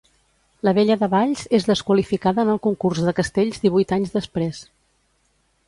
La Vella de Valls és desqualificada en el Concurs de Castells divuit anys després.